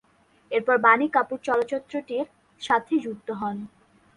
এরপর বাণী কাপুর চলচ্চিত্রটির সাথে যুক্ত হন।